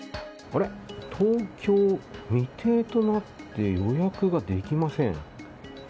東京未定となって予約ができません。